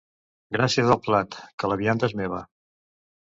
Gràcies del plat, que la vianda és meva.